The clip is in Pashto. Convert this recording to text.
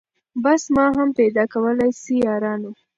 بس ما هم پیدا کولای سی یارانو